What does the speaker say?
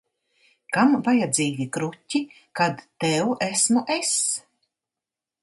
Kam vajadzīgi kruķi, kad tev esmu es?